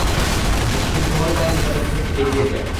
মুসলিম টহল বাহিনী তাদের প্রতি এগিয়ে যায়।